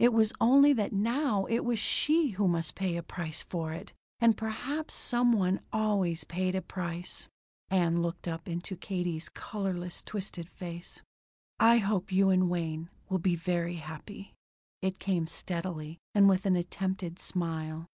It was only that now it was she who must pay a price for it. And perhaps some one always paid a price. "Ann?" Ann looked up into Katie's colorless, twitching face. "I hope you and Wayne will be very happy." It came steadily, and with an attempted smile.